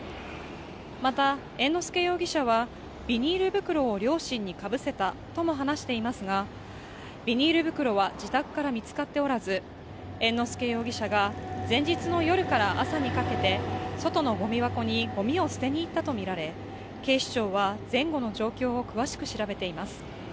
また、猿之助容疑者は、ビニール袋を両親にかぶせたとも話していますが、ビニール袋は自宅から見つかっておらず、猿之助容疑者が、前日の夜から朝にかけて外のゴミ箱にゴミを捨てに行ったとみられ、警視庁は、前後の状況を詳しく調べています。